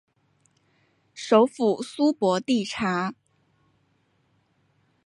首府苏博蒂察。